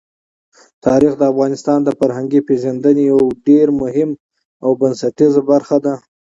تاریخ د افغانانو د فرهنګي پیژندنې یوه ډېره مهمه او بنسټیزه برخه ده.